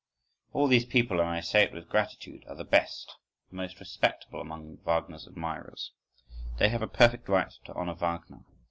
—All these people, and I say it with gratitude, are the best, the most respectable among Wagner's admirers—they have a perfect right to honour Wagner.